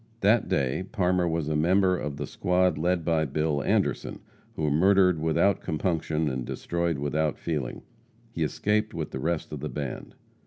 That day Parmer was a member of the squad led by Bill Anderson, who murdered without compunction and destroyed without feeling. He escaped with the rest of the band.